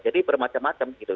jadi bermacam macam gitu